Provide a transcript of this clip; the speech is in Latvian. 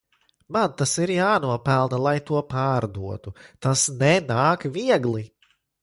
Man tas ir jānopelna lai to pārdotu, tas nenāk viegli.